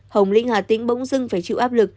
hồng lĩnh hà tĩnh bỗng dưng phải chịu áp lực